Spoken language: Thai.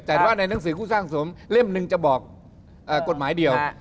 แต่ว่าในหนังสือคู่สร้างสมเล่มหนึ่งจะบอกกฎหมายเดียว